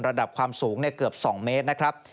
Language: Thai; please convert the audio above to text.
ระดับความสูงเกือบ๒เมตรนะครับ